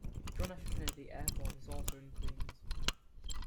John F. Kennedy Airport is also in Queens.